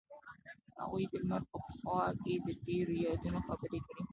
هغوی د لمر په خوا کې تیرو یادونو خبرې کړې.